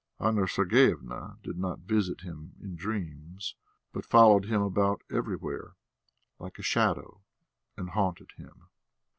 Anna Sergeyevna did not visit him in dreams, but followed him about everywhere like a shadow and haunted him.